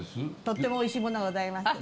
とってもおいしいものがございます。